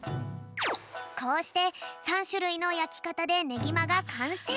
こうして３しゅるいのやきかたでねぎまがかんせい！